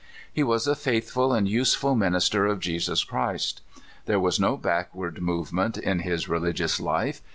He was a faithful and useful minister of Jesus Christ. There was no backw^ard movement in his religious life.